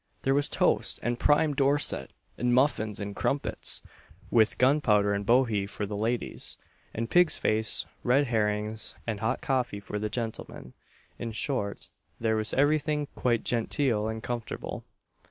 There was toast and prime Dorset, and muffins and crumpets, with Gunpowder and Bohea for the ladies; and pig's face, red herrings, and hot coffee for the gentlemen; in short, there was everything quite genteel and comfortable.